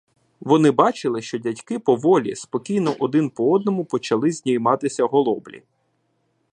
Вони бачили, що дядьки поволі, спокійно один по одному почали здіймати голоблі.